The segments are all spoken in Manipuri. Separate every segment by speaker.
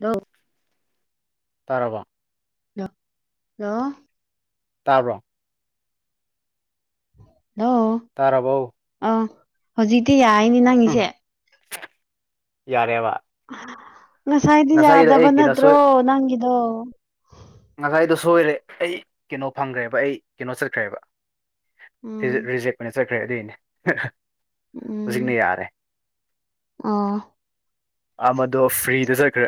Speaker 1: ꯍꯜꯂꯣ
Speaker 2: ꯇꯥꯔꯕꯣ
Speaker 1: ꯂꯣ ꯍꯜꯂꯣ
Speaker 2: ꯇꯥꯕ꯭ꯔꯣ
Speaker 1: ꯍꯜꯂꯣ
Speaker 2: ꯇꯥꯔꯕꯣ
Speaker 1: ꯑꯥ ꯍꯧꯖꯤꯛꯇꯤ ꯌꯥꯏꯅꯦ ꯅꯪꯒꯤꯁꯦ
Speaker 2: ꯌꯥꯔꯦꯕꯥ
Speaker 1: ꯉꯁꯥꯏꯗꯤ ꯌꯥꯗꯕ
Speaker 2: ꯑꯩ ꯀꯩꯅꯣ
Speaker 1: ꯅꯠꯇ꯭ꯔꯣ
Speaker 2: ꯁꯣꯏ
Speaker 1: ꯅꯪꯒꯤꯗꯣ
Speaker 2: ꯉꯁꯥꯏꯗꯣ ꯁꯣꯏꯔꯦ ꯑꯩ ꯀꯦꯅꯣ ꯐꯪꯈ꯭ꯔꯦꯕ ꯑꯩ ꯀꯦꯅꯣ ꯆꯠꯈ꯭ꯔꯦꯕ ꯔꯤ
Speaker 1: ꯎꯝ
Speaker 2: ꯔꯤꯖꯦꯛ ꯑꯣꯏꯅ ꯆꯠꯈ꯭ꯔꯦ ꯑꯗꯨꯏꯅꯦ ꯍꯧꯖꯤꯛꯅ
Speaker 1: ꯎꯝ
Speaker 2: ꯌꯥꯔꯦ
Speaker 1: ꯑꯣ
Speaker 2: ꯑꯃꯗꯣ ꯐ꯭ꯔꯤꯗ ꯆꯠꯈ꯭ꯔꯦ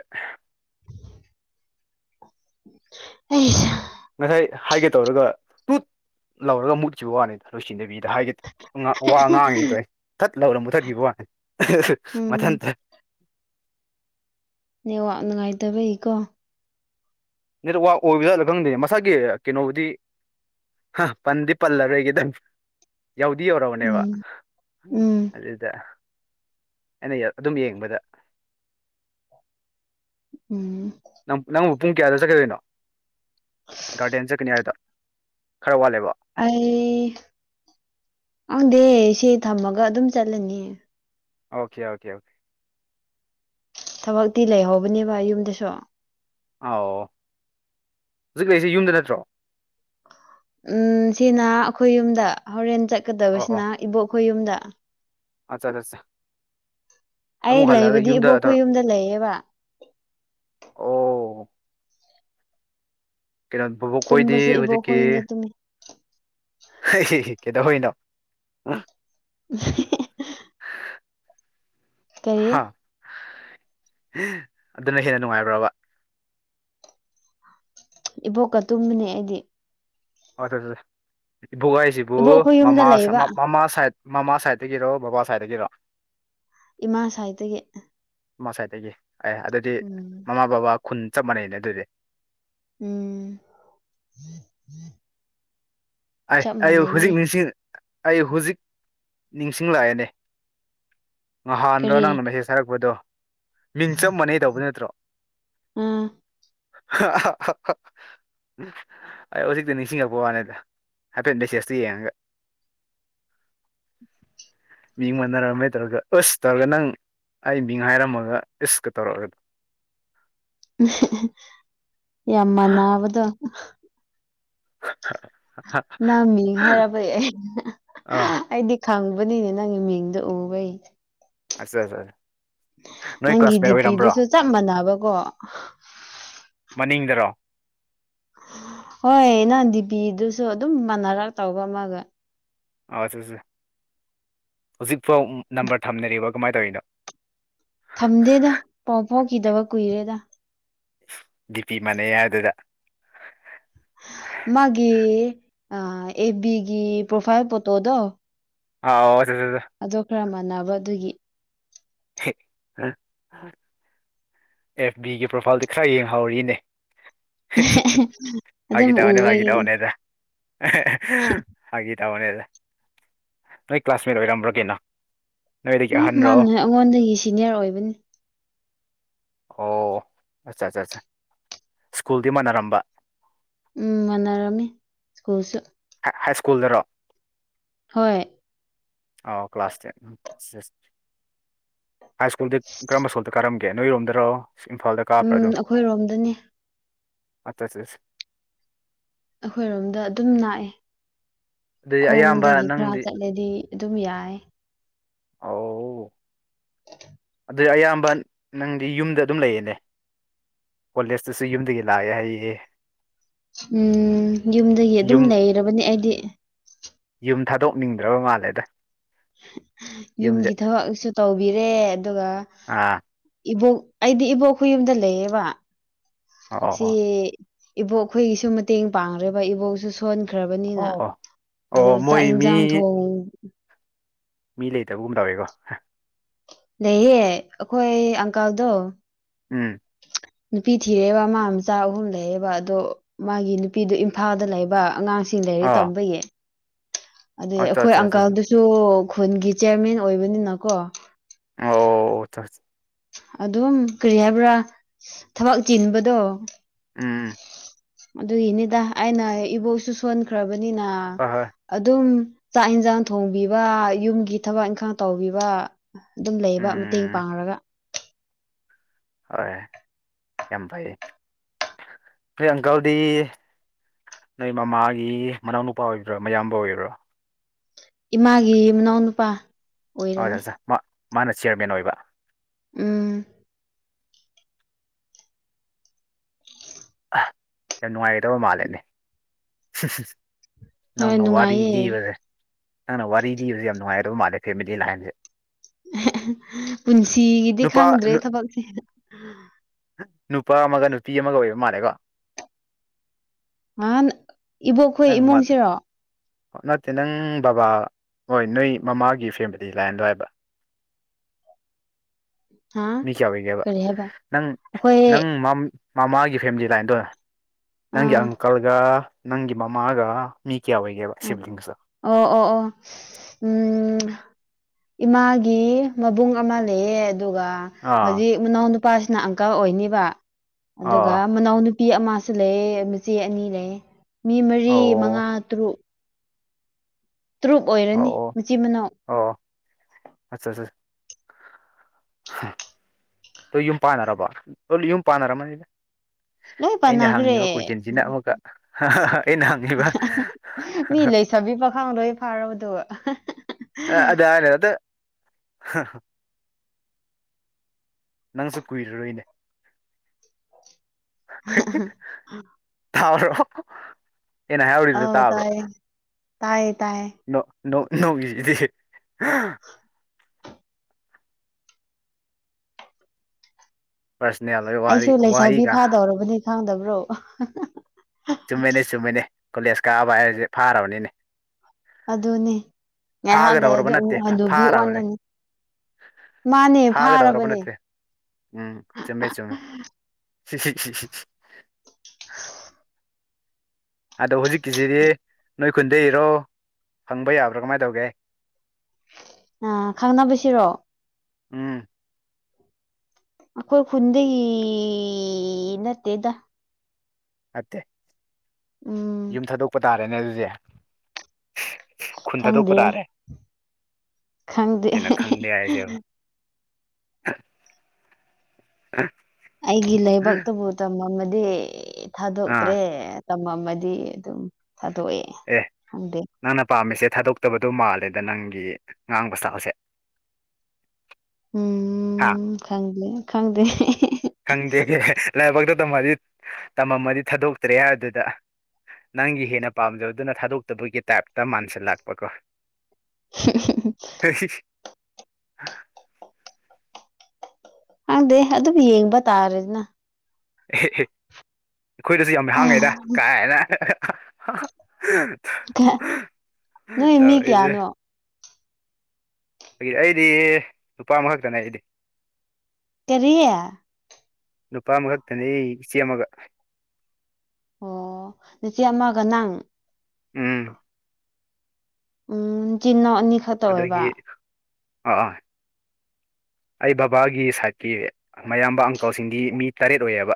Speaker 1: ꯑꯩꯁ
Speaker 2: ꯉꯁꯥꯏ ꯍꯥꯏꯒꯦ ꯇꯧꯔꯒ ꯇꯨꯠ ꯂꯧꯔꯒ ꯃꯨꯠꯈꯤꯕ ꯋꯥꯅꯤꯗ ꯂꯣꯏꯁꯤꯟꯗꯕꯤ ꯍꯥꯏꯒꯦ ꯉꯥ ꯋꯥ ꯉꯥꯡꯉꯤ ꯇꯣꯛꯑꯦ ꯊꯠ ꯂꯧꯅ ꯃꯨꯊꯠꯈꯤꯕ ꯋꯥꯅꯤ ꯍ ꯍ
Speaker 1: ꯎꯝ
Speaker 2: ꯃꯊꯟꯇ [inaudible]
Speaker 1: ꯅꯦꯠꯋꯥꯔꯛ ꯅꯨꯡꯉꯥꯏꯇꯕꯒꯤꯀꯣ
Speaker 2: ꯅꯦꯠꯋꯥꯔꯛ ꯑꯣꯏꯕ ꯖꯥꯠꯂ ꯈꯪꯗꯦ ꯃꯁꯥꯒꯤ ꯀꯩꯅꯣꯕꯨꯗꯤ ꯍꯥ ꯄꯟꯗꯤ ꯄꯜꯂꯔꯣꯢꯒꯦꯗ ꯌꯧꯗꯤ ꯌꯧꯔꯕꯅꯦꯕ
Speaker 1: ꯎꯝ ꯎꯝ
Speaker 2: ꯑꯗꯨꯗ ꯑꯩꯅ ꯑꯗꯨꯝ ꯌꯦꯡꯕꯗ
Speaker 1: ꯎꯝ
Speaker 2: ꯅꯪ ꯅꯪꯕꯨ ꯄꯨꯡ ꯀꯌꯥꯗ ꯆꯠꯀꯗꯣꯏꯅꯣ ꯒꯥꯔꯗꯦꯟ ꯆꯠꯀꯅꯤ ꯍꯥꯏꯗꯣ ꯈꯔ ꯋꯥꯂꯦꯕ
Speaker 1: ꯑꯩ ꯈꯪꯗꯦ ꯁꯤ ꯊꯝꯃꯒ ꯑꯗꯨꯝ ꯆꯠꯂꯅꯤ
Speaker 2: ꯑꯣꯀꯦ ꯑꯣꯀꯦ ꯑꯣꯀꯦ
Speaker 1: ꯊꯕꯛꯇꯤ ꯂꯩꯍꯧꯕꯅꯦꯕ ꯌꯨꯝꯗꯁꯨ
Speaker 2: ꯑꯥꯎ ꯍꯧꯖꯤꯛ ꯂꯩꯔꯤꯁꯦ ꯌꯨꯝꯗ ꯅꯠꯇ꯭ꯔꯣ
Speaker 1: ꯎꯝ ꯁꯤꯅ ꯑꯩꯈꯣꯏ ꯌꯨꯝꯗ ꯍꯣꯔꯦꯟ
Speaker 2: ꯑꯣ ꯑꯣ
Speaker 1: ꯆꯠꯀꯗꯕꯁꯤꯅ ꯏꯕꯣꯛꯈꯣꯏ ꯌꯨꯝꯗ
Speaker 2: ꯑꯠꯆꯥ ꯆꯥ ꯆꯥ
Speaker 1: ꯑꯩ ꯂꯩꯕꯗꯤ ꯏꯕꯣꯛꯈꯣꯏ ꯌꯨꯝꯗ ꯂꯩꯌꯦꯕ
Speaker 2: ꯑꯣ ꯀꯩꯅꯣ ꯕꯣꯕꯣꯛ ꯈꯣꯏꯗꯤ
Speaker 1: ꯇꯨꯝꯕꯁꯨ ꯏꯕꯣꯛꯈꯣꯏ
Speaker 2: ꯍꯧꯖꯤꯛꯀꯤ
Speaker 1: ꯌꯨꯝꯗ ꯇꯨꯝꯃꯦ
Speaker 2: ꯍꯩ ꯀꯩꯗꯧꯔꯤꯅꯣ
Speaker 1: [unintelligible] ꯀꯩ
Speaker 2: ꯍꯥ ꯑꯗꯨꯅ ꯍꯦꯟꯅ ꯅꯨꯡꯉꯥꯏꯕ꯭ꯔꯕ
Speaker 1: ꯏꯕꯣꯛꯀ ꯇꯨꯝꯕꯅꯦ ꯑꯩꯗꯤ
Speaker 2: ꯑꯆꯥꯆꯥ ꯏꯕꯣꯛ ꯍꯥꯢꯁꯤꯕꯨ
Speaker 1: ꯏꯕꯣꯛ ꯑꯩꯈꯣꯏ ꯌꯨꯝꯗ
Speaker 2: ꯃꯃꯥ ꯁ
Speaker 1: ꯂꯩꯕ
Speaker 2: ꯃꯃꯥ ꯁꯥꯏꯠ ꯃꯃꯥ ꯁꯥꯏꯠꯇꯒꯤꯔꯣ ꯕꯕꯥ ꯁꯥꯏꯠꯇꯒꯤꯔꯣ
Speaker 1: ꯏꯃꯥ ꯁꯥꯏꯠꯇꯒꯤ
Speaker 2: ꯃꯥ ꯁꯥꯏꯠꯇꯒꯤ ꯑꯦ ꯑꯗꯨꯗꯤ
Speaker 1: ꯎꯝ
Speaker 2: ꯃꯃꯥ ꯕꯕꯥ ꯈꯨꯟ ꯆꯞ ꯃꯥꯟꯅꯩꯅꯦ ꯑꯗꯨꯗꯤ
Speaker 1: ꯎꯝ
Speaker 2: ꯑꯩ
Speaker 1: ꯆꯞ
Speaker 2: ꯑꯌꯨ
Speaker 1: ꯃꯥꯟꯅꯩꯌꯦ
Speaker 2: ꯍꯨꯖꯤꯛ ꯅꯤꯡꯁꯤꯡ ꯑꯩ ꯍꯨꯖꯤꯛ ꯅꯤꯡꯁꯤꯡꯂꯛꯑꯦꯅꯦ ꯅꯍꯥꯟꯔꯥ
Speaker 1: ꯀꯔꯤ
Speaker 2: ꯅꯪꯅ ꯃꯦꯁꯦꯖ ꯊꯥꯔꯛꯄꯗꯣ ꯃꯤꯡ ꯆꯞ ꯃꯥꯟꯅꯩ ꯇꯧꯕ ꯅꯠꯇ꯭ꯔꯣ
Speaker 1: ꯑꯥ
Speaker 2: ꯍꯥꯍꯥꯍꯥ ꯑꯩ ꯍꯨꯖꯤꯛꯇꯤ ꯅꯤꯡꯁꯤꯡꯉꯛꯄ ꯋꯥꯅꯤꯗ ꯍꯥꯢꯐꯦꯠ ꯃꯦꯁꯦꯁ ꯇ ꯌꯦꯡꯉꯒ ꯃꯤꯡ ꯃꯥꯟꯅꯔꯝꯃꯦ ꯇꯧꯔꯒ ꯑꯁ ꯇꯧꯔꯒ ꯅꯪ ꯑꯩ ꯃꯤꯡ ꯍꯥꯏꯔꯝꯃꯒ ꯏꯁ ꯀ ꯇꯧꯔꯛꯑ
Speaker 1: ꯌꯥꯝ ꯃꯥꯟꯅꯕꯗꯣ ꯅꯪ ꯃꯤꯡ ꯍꯥꯏꯔꯕꯩ
Speaker 2: ꯑꯥ
Speaker 1: ꯑꯩꯗꯤ ꯍꯪꯕꯅꯤꯅꯦ ꯅꯪꯒꯤ ꯃꯤꯡꯗꯣ ꯎꯕꯩ
Speaker 2: ꯑꯆꯥꯆꯥ
Speaker 1: ꯅꯪꯒꯤ ꯗꯤꯄꯤꯗꯨꯁꯨ ꯆꯞ ꯃꯥꯟꯅꯕꯀꯣ
Speaker 2: ꯃꯅꯤꯡꯗꯔꯣ
Speaker 1: ꯍꯣꯏ ꯅꯪ ꯗꯤꯄꯤꯗꯨꯁꯨ ꯑꯗꯨꯝ ꯃꯥꯟꯅꯔꯞ ꯇꯧꯕ ꯑꯃꯒ
Speaker 2: ꯑꯆꯥꯆꯥ ꯍꯨꯖꯤꯛꯐꯥꯎ ꯅꯝꯕꯔ ꯊꯝꯅꯔꯤꯕ ꯀꯃꯥꯏ ꯇꯧꯔꯤꯅꯣ
Speaker 1: ꯊꯝꯗꯦꯗ ꯄꯥꯎ ꯐꯥꯎꯈꯤꯗꯕ ꯀꯨꯏꯔꯦꯗ
Speaker 2: ꯗꯤꯄꯤ ꯃꯥꯟꯅꯩ ꯍꯥꯏꯗꯨꯗ
Speaker 1: ꯃꯥꯒꯤ ꯑꯥ ꯑꯦꯐꯕꯤꯒꯤ ꯄ꯭ꯔꯣꯐꯥꯏꯜ ꯄꯣꯇꯣꯗꯣ
Speaker 2: ꯑꯧ
Speaker 1: ꯑꯗꯣ ꯈꯔ ꯃꯥꯟꯅꯕ ꯑꯗꯨꯒꯤ
Speaker 2: ꯍꯦ ꯑꯦꯐ ꯕꯤꯒꯤ ꯄ꯭ꯔꯣꯐꯥꯏꯜꯗꯤ ꯈꯔ ꯌꯦꯡꯍꯧꯋꯤꯅꯦ ꯍꯦ ꯍꯦ ꯍꯦ
Speaker 1: ꯑꯗꯨꯝ
Speaker 2: ꯐꯥꯒꯤ ꯇꯧꯕꯅꯦ ꯐꯥꯒꯤ
Speaker 1: ꯎꯕꯒꯤꯅꯤ
Speaker 2: ꯇꯧꯕꯅꯦꯗ ꯑꯍꯦ ꯍꯦ ꯐꯥꯒꯤ ꯇꯧꯕꯅꯦꯗꯥ ꯅꯣꯏ ꯀ꯭ꯂꯥꯁꯃꯦꯠ ꯑꯣꯏꯔꯝꯕ꯭ꯔꯣ ꯀꯦꯅꯣ ꯅꯣꯏꯗꯒꯤ
Speaker 1: ꯎꯝ
Speaker 2: ꯑꯍꯟ ꯔꯣ
Speaker 1: ꯃꯥꯅ ꯑꯩꯉꯣꯟꯗꯒꯤ ꯁꯤꯅꯤꯌꯔ ꯑꯣꯏꯕꯅꯤ
Speaker 2: ꯑꯣ ꯑꯆꯥ ꯆꯥ ꯆꯥ ꯁ꯭ꯀꯨꯜꯗꯤ ꯃꯥꯟꯅꯔꯝꯕ
Speaker 1: ꯎꯝ ꯃꯥꯟꯅꯔꯝꯃꯤ ꯁ꯭ꯀꯨꯜꯁꯨ
Speaker 2: ꯍꯥꯏ ꯁ꯭ꯀꯨꯜꯗꯔꯣ
Speaker 1: ꯍꯣꯏ
Speaker 2: ꯑꯥꯎ ꯀ꯭ꯂꯥꯁ ꯇꯨꯋꯦꯠ ꯍꯥꯏ ꯁ꯭ꯀꯨꯜ ꯗꯤ ꯀꯔꯝꯕ ꯁ꯭ꯀꯨꯜꯗ ꯀꯥꯔꯝ ꯒꯦ ꯅꯣꯏꯔꯣꯝꯗꯔꯣ ꯏꯝꯐꯥꯜꯗ
Speaker 1: ꯎꯝ ꯑꯈꯣꯏꯔꯣꯝꯗꯅꯦ
Speaker 2: ꯑꯆꯥ ꯆꯥ ꯆꯥ
Speaker 1: ꯑꯈꯣꯏꯔꯣꯝꯗ ꯑꯗꯨꯝ ꯅꯥꯛꯑꯦ
Speaker 2: ꯑꯗꯨꯗꯤ ꯑꯌꯥꯝꯕ
Speaker 1: ꯈꯣꯡꯗꯒꯤ ꯈ꯭ꯔꯥ
Speaker 2: ꯅꯪꯗꯤ
Speaker 1: ꯆꯠꯂꯗꯤ ꯑꯗꯨꯝ ꯌꯥꯏ
Speaker 2: ꯑꯧ ꯗꯤ ꯑꯌꯥꯝꯕ ꯅꯪꯗꯤ ꯌꯨꯝꯗ ꯑꯗꯨꯝ ꯂꯩꯌꯦꯅꯦ ꯀꯣꯂꯦꯖꯇꯁꯨ ꯌꯨꯝꯗꯒꯤ ꯂꯥꯛꯑꯦ ꯍꯥꯏꯌꯦꯌꯦ
Speaker 1: ꯎꯝ ꯌꯨꯝꯗꯒꯤ ꯑꯗꯨꯝ
Speaker 2: ꯌꯨꯝ
Speaker 1: ꯂꯩꯔꯕꯅꯤ ꯑꯩꯗꯤ
Speaker 2: ꯌꯨꯝ ꯊꯥꯗꯣꯛꯅꯤꯡꯗ꯭ꯔꯕ ꯃꯥꯜꯂꯦꯗꯥ
Speaker 1: ꯌꯨꯝꯒꯤ ꯊꯕꯛꯁꯨ ꯇꯧꯕꯤꯔꯦ ꯑꯗꯨꯒ
Speaker 2: ꯑꯥ
Speaker 1: ꯏꯕꯣꯛ ꯑꯩꯗꯤ ꯏꯕꯣꯛ ꯈꯣꯏꯌꯨꯝꯗ ꯂꯩꯌꯦꯕ
Speaker 2: ꯑꯣ
Speaker 1: ꯁꯤ
Speaker 2: ꯑꯣ
Speaker 1: ꯏꯕꯣꯛꯈꯣꯏꯒꯤꯁꯨ ꯃꯇꯦꯡ ꯄꯥꯡꯔꯦꯕ ꯏꯕꯣꯛꯁꯨ ꯁꯣꯟ ꯈ꯭ꯔꯕꯅꯤꯅꯥ
Speaker 2: ꯑꯣ
Speaker 1: ꯑꯗꯨ
Speaker 2: ꯑꯣ
Speaker 1: ꯆꯥꯛ
Speaker 2: ꯃꯣꯏ ꯃꯤ
Speaker 1: ꯏꯟꯖꯥꯡ ꯊꯣꯡ
Speaker 2: ꯃꯤ ꯂꯩꯇꯕꯒꯨꯝ ꯇꯧꯋꯦꯀꯣ
Speaker 1: ꯂꯩꯌꯦ ꯑꯈꯣꯏ ꯑꯪꯀꯜꯗꯣ
Speaker 2: ꯎꯝ
Speaker 1: ꯅꯨꯄꯤ ꯊꯤꯔꯦꯕ ꯃꯥ ꯃꯆꯥ ꯑꯍꯨꯝ ꯂꯩꯌꯦꯕꯥ ꯑꯗꯣ ꯃꯥꯒꯤ ꯅꯨꯄꯤꯗꯣ ꯏꯝꯐꯥꯜꯗ ꯂꯩꯕ ꯑꯉꯥꯡ ꯁꯤꯡ ꯂꯩꯔꯤꯛ
Speaker 2: ꯑꯥ
Speaker 1: ꯇꯝꯕꯒꯤ ꯑꯗꯨꯏ
Speaker 2: ꯑꯠꯆꯥ
Speaker 1: ꯑꯈꯣꯏ
Speaker 2: ꯑꯠꯆꯥ ꯑꯠꯆꯥ
Speaker 1: ꯑꯪꯀꯜꯗꯨꯁꯨ ꯈꯨꯟꯒꯤ ꯆꯤꯌꯔꯃꯦꯟ ꯑꯣꯏꯕꯅꯤꯅꯀꯣ
Speaker 2: ꯑꯣ ꯆꯥ
Speaker 1: ꯑꯗꯨꯝ ꯀ꯭ꯔꯤ ꯍꯥꯏꯕ꯭ꯔꯥ ꯊꯕꯛ ꯆꯤꯟꯕꯗꯣ
Speaker 2: ꯎꯝ
Speaker 1: ꯑꯗꯨꯒꯤꯅꯤꯗꯥ ꯑꯩꯅꯥ ꯏꯕꯣꯛꯁꯨ ꯁꯣꯟꯈ꯭ꯔꯕꯅꯤꯅꯥ
Speaker 2: ꯍꯣꯏ ꯍꯣꯏ
Speaker 1: ꯑꯗꯨꯝ ꯆꯥꯛ ꯑꯦꯟꯖꯥꯡ ꯊꯣꯡꯕꯤꯕꯥ ꯌꯨꯝꯒꯤ ꯊꯕꯛ ꯏꯪꯈꯥꯡ ꯇꯧꯕꯤꯕꯥ ꯑꯗꯨꯝ ꯂꯩꯕꯥ ꯃꯇꯦꯡ
Speaker 2: ꯎꯝ
Speaker 1: ꯄꯥꯡꯔꯒꯥ
Speaker 2: ꯍꯣꯏ ꯌꯥꯝ ꯐꯩꯌꯦ ꯅꯣꯢ ꯑꯪꯀꯜꯗꯤ ꯅꯣꯏ ꯃꯃꯥꯒꯤ ꯃꯅꯥꯎ ꯅꯨꯨꯄꯥ ꯑꯣꯏꯕ꯭ꯔꯥ ꯃꯌꯥꯝꯕ ꯑꯣꯏꯕ꯭ꯔꯣ
Speaker 1: ꯏꯃꯥꯒꯤ ꯃꯅꯥꯎ ꯅꯨꯄꯥ
Speaker 2: ꯑ ꯑꯆꯥ ꯃꯥ ꯃꯥꯅ ꯆꯤꯌꯔꯃꯦꯟ ꯑꯣꯏꯕ
Speaker 1: ꯎꯝ
Speaker 2: ꯑꯥ ꯌꯥꯝ ꯅꯨꯡꯉꯥꯏꯒꯗꯕ ꯃꯥꯜꯂꯦꯅꯦ ꯍꯨꯝ ꯍꯨꯝ
Speaker 1: ꯍꯣꯏ
Speaker 2: ꯅꯪꯅ ꯋꯥꯔꯤ
Speaker 1: ꯅꯨꯡꯉꯥꯏꯌꯦ
Speaker 2: ꯂꯤꯕꯖꯦ ꯅꯪꯅ ꯋꯥꯔꯤ ꯂꯤꯕꯖꯦ ꯌꯥꯝ ꯅꯨꯡꯉꯥꯏꯌꯦ ꯗꯨ ꯃꯥꯜꯂꯦ ꯐꯦꯃꯤꯂꯤ ꯍꯥꯢꯕꯖꯦ
Speaker 1: ꯑꯍꯦ ꯍꯦ ꯄꯨꯟꯁꯤꯒꯤꯗꯤ
Speaker 2: ꯅꯨꯄꯥ
Speaker 1: ꯈꯪꯗ꯭ꯔꯤ
Speaker 2: ꯅꯨ
Speaker 1: ꯊꯕꯛꯁꯦ
Speaker 2: ꯅꯨꯄꯥ ꯑꯃꯒ ꯅꯨꯄꯤ ꯑꯃꯒ ꯑꯣꯏꯕ ꯃꯥꯜꯂꯦꯀꯣ
Speaker 1: ꯅꯥꯍꯟ ꯏꯕꯣꯛꯈꯣꯏ
Speaker 2: ꯅꯪ ꯃꯥ
Speaker 1: ꯏꯃꯨꯡꯁꯤꯔꯣ
Speaker 2: ꯅꯠꯇꯦ ꯅꯪ ꯕꯕꯥ ꯍꯣꯏ ꯅꯣꯏ ꯃꯃꯥꯒꯤ ꯐꯦꯃꯤꯂꯤ ꯂꯥꯏꯟꯗꯣ ꯍꯥꯏꯕ
Speaker 1: ꯍꯥ
Speaker 2: ꯃꯤ ꯀꯌꯥ ꯑꯣꯏꯒꯦꯕ
Speaker 1: ꯀꯔꯤ ꯍꯥꯏꯕ
Speaker 2: ꯅꯪ
Speaker 1: ꯑꯩꯈꯣꯏ
Speaker 2: ꯅꯪ ꯃꯝ ꯃꯥꯃꯥꯒꯤ ꯐꯦꯃꯤꯂꯤ ꯂꯥꯏꯟꯗꯣ ꯅꯪꯒꯤ
Speaker 1: ꯑꯥ
Speaker 2: ꯑꯪꯀꯜꯒꯥ ꯅꯪꯒꯤ ꯃꯥꯃꯥꯒ ꯃꯤ ꯀꯌꯥ ꯑꯣꯏ
Speaker 1: ꯎꯝ ꯑꯣ ꯑꯣ ꯑꯣ ꯎꯝ ꯏꯃꯥꯒꯤ ꯃꯕꯨꯡ ꯑꯃ ꯂꯩꯌꯦ ꯑꯗꯨꯒ
Speaker 2: ꯑꯥ
Speaker 1: ꯍꯧꯖꯤꯛ ꯃꯅꯥꯎꯅꯨ ꯄꯥꯁꯤꯅ ꯑꯪꯀꯜ ꯑꯣꯏꯅꯤꯕ ꯑꯗꯨꯒ
Speaker 2: ꯑꯥ
Speaker 1: ꯃꯅꯥꯎꯅꯨ ꯄꯤ ꯑꯃꯁꯨ ꯂꯩꯌꯦ ꯃꯆꯦ ꯑꯅꯤ ꯂꯩꯌꯦ ꯃꯤ ꯃꯔꯤ
Speaker 2: ꯑꯣ
Speaker 1: ꯃꯉꯥ ꯇꯔꯨꯛ ꯇ꯭ꯔꯨꯨꯛ ꯑꯣꯏꯔꯅꯤ
Speaker 2: ꯑꯣ
Speaker 1: ꯃꯆꯤꯟ ꯃꯅꯥꯎ
Speaker 2: ꯑꯣ ꯂꯣꯢ ꯌꯨꯝ ꯄꯥꯟꯅꯔꯕꯣ ꯂꯣꯢ ꯌꯨꯝ ꯄꯥꯟꯅꯔꯃꯅꯤꯗ
Speaker 1: ꯂꯣꯏ
Speaker 2: ꯑꯩꯅ
Speaker 1: ꯄꯥꯟꯅꯈ꯭ꯔꯦ
Speaker 2: ꯍꯪꯉꯤꯕ ꯀꯣꯏꯁꯟꯁꯤꯅ ꯑꯃꯨꯀꯛ ꯑꯩꯅ ꯍꯪꯉꯤꯕ
Speaker 1: ꯃꯤ ꯂꯩꯁꯥꯕꯤ ꯄꯥꯈꯪ ꯂꯣꯏ ꯐꯥꯔꯕꯗꯨꯕꯨ
Speaker 2: ꯑ ꯑꯗꯨ ꯍꯥꯏꯅꯨ ꯑꯗꯨ ꯅꯪꯁꯨ ꯀꯨꯏꯔꯔꯣꯏꯅꯦ ꯍꯤꯛ ꯍꯤꯛ ꯊꯥꯔꯣ ꯑꯩꯅ ꯍꯥꯏꯍꯧꯔꯤꯗꯨꯁꯨ
Speaker 1: ꯑꯧ
Speaker 2: ꯇꯥꯕ꯭ꯔꯣ
Speaker 1: ꯇꯥꯏꯌꯦ ꯇꯥꯏꯌꯦ ꯇꯥꯏꯌꯦ
Speaker 2: ꯅꯣꯛ ꯅꯣꯛꯏꯁꯤꯗꯤ ꯄꯔꯁꯅꯦꯜ ꯑꯣꯏꯕ ꯋꯥꯔꯤ
Speaker 1: ꯑꯩꯁꯨ ꯂꯩꯁꯥꯕꯤ
Speaker 2: ꯋꯥꯍꯩꯒ
Speaker 1: ꯐꯥꯗꯧꯔꯕꯅꯤ ꯈꯪꯗꯕ꯭ꯔꯣ
Speaker 2: ꯆꯨꯝꯃꯤꯅꯦ ꯆꯨꯝꯃꯤꯅꯦ ꯀꯣꯂꯦꯖ ꯀꯥꯕꯥ ꯍꯥꯏꯁꯦ ꯐꯥꯔꯕꯅꯤꯅꯦ
Speaker 1: ꯑꯗꯨꯅꯦ ꯉꯥꯏꯍꯥꯛ
Speaker 2: ꯐꯥꯒꯗꯧꯔꯕ
Speaker 1: ꯂꯩꯔꯗꯤ
Speaker 2: ꯅꯠꯇꯦ
Speaker 1: ꯑꯃꯨꯛ ꯍꯅꯨꯕꯤ
Speaker 2: ꯐꯥꯔꯕꯅꯦ
Speaker 1: ꯑꯣꯜꯂꯅꯤ ꯃꯥꯅꯦ
Speaker 2: ꯐꯥꯒꯗꯧꯔꯕ
Speaker 1: ꯐꯥꯔꯕꯅꯦ
Speaker 2: ꯅꯠꯇ꯭ꯔꯦ ꯍꯤꯛ ꯍꯤꯛ [unintelligible] ꯑꯗꯣ ꯍꯧꯖꯤꯛꯀꯤꯁꯤꯗꯤ ꯅꯣꯏ ꯈꯨꯟꯗꯩꯔꯣ ꯍꯪꯕ ꯌꯥꯕ꯭ꯔꯥ ꯀꯃꯥꯏꯅ ꯇꯧꯒꯦ
Speaker 1: ꯑ ꯈꯪꯅꯕꯁꯤꯔꯣ
Speaker 2: ꯎꯝ
Speaker 1: ꯑꯩꯈꯣꯏ ꯈꯨꯟꯗꯒꯤ ꯅꯠꯇꯦꯗ
Speaker 2: ꯅꯠꯇꯦ
Speaker 1: ꯎꯝ
Speaker 2: ꯌꯨꯝ ꯊꯥꯗꯣꯛꯄ ꯇꯥꯔꯦꯅꯦ ꯑꯗꯨꯗꯤ ꯈꯨꯟ ꯊꯥꯗꯣꯛꯄ
Speaker 1: ꯈꯪꯗꯦ
Speaker 2: ꯇꯥꯔꯦ
Speaker 1: ꯈꯪꯗꯦ
Speaker 2: ꯀꯩꯅꯣ ꯈꯪꯗꯦ ꯍꯥꯏꯁꯦꯕꯨ [unintelligible]
Speaker 1: ꯑꯩꯒꯤ ꯂꯥꯏꯕꯛꯇꯕꯨ ꯇꯝꯃꯝꯃꯗꯤ
Speaker 2: ꯑꯥ
Speaker 1: ꯊꯥꯗꯣꯛꯇ꯭ꯔꯦ ꯇꯝꯃꯝꯃꯗꯤ ꯑꯗꯨꯝ ꯊꯥꯗꯣꯛꯑꯦ
Speaker 2: ꯑꯦ
Speaker 1: ꯈꯪꯗꯦ
Speaker 2: ꯅꯪꯅ ꯄꯥꯝꯃꯤꯁꯦ ꯊꯥꯗꯣꯛꯇꯕꯗꯣ ꯃꯥꯜꯂꯦꯗ ꯅꯪꯒꯤ ꯉꯥꯡꯕ ꯏꯁꯇꯥꯜꯁꯦ
Speaker 1: ꯎꯝ ꯈꯪꯗꯦ ꯈꯪꯗꯦ
Speaker 2: ꯈꯪꯗꯦ ꯂꯥꯏꯕꯛꯇ ꯇꯝꯃꯗꯤ ꯇꯝꯃꯝꯃꯗꯤ ꯊꯥꯗꯣꯛꯇ꯭ꯔꯦ ꯍꯥꯏꯕꯗꯨꯗ ꯅꯪꯒꯤ ꯍꯦꯟꯅ ꯄꯥꯝꯖꯕꯗꯨꯅ ꯊꯥꯗꯣꯛꯇꯕꯒꯤ ꯇꯥꯏꯞꯇ ꯃꯥꯟꯁꯤꯜꯂꯛꯄꯀꯣ
Speaker 1: ꯍꯨꯝ ꯍꯨ ꯍꯨ
Speaker 2: [inaudible]
Speaker 1: ꯈꯪꯗꯦ ꯑꯗꯨꯝ ꯌꯦꯡꯕ ꯇꯥꯔꯦꯗꯅ
Speaker 2: ꯑꯦꯍꯦ ꯍꯦ ꯑꯩꯈꯣꯏꯗꯁꯨ ꯌꯥꯝꯍꯥꯡꯉꯤꯗ ꯀꯥꯏꯅ
Speaker 1: ꯅꯣꯏ ꯃꯤ
Speaker 2: ꯇꯧꯔꯤꯁꯦ
Speaker 1: ꯀꯌꯥꯅꯣ
Speaker 2: ꯑꯩꯗꯤ ꯅꯨꯄꯥ ꯑꯃꯈꯛꯇꯅꯦ ꯑꯩꯗꯤ
Speaker 1: ꯀꯔꯤ
Speaker 2: ꯅꯨꯄꯥ ꯑꯃꯈꯛꯇꯅꯤ ꯏꯆꯦ ꯑꯃꯒ
Speaker 1: ꯑꯣ ꯅꯆꯦ ꯑꯃꯒ ꯅꯪ
Speaker 2: ꯎꯝ
Speaker 1: ꯎꯝ ꯏꯆꯤꯟꯏꯅꯥꯎ ꯑꯅꯤꯈꯇ ꯑꯣꯏꯕ
Speaker 2: ꯑꯗꯨꯒꯤ ꯑꯥ ꯑꯥ ꯑꯩ ꯕꯕꯥꯒꯤ ꯁꯥꯏꯠꯀꯤ ꯃꯌꯥꯝꯕ ꯑꯪꯀꯜꯁꯤꯡꯒꯤ ꯃꯤ ꯇꯔꯦꯠ ꯑꯣꯏꯌꯦꯕ